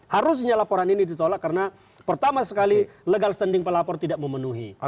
harusnya laporan ini ditolak karena pertama sekali legal standing pelapor tidak memenuhi